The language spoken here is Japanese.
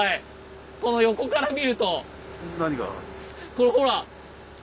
これほら。